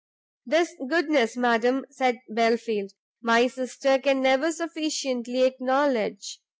"This goodness, madam," said Belfield, "my sister can never sufficiently acknowledge.